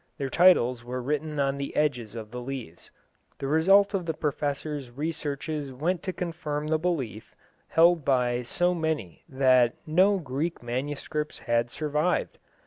Their titles were written on the edges of the leaves. The result of the Professor's researches went to confirm the belief held by so many that no Greek manuscripts had survived.